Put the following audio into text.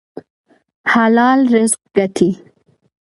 حلال رزق ګټئ